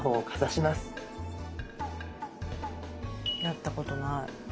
やったことない。